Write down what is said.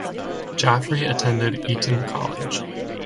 Jafri attended Eton College.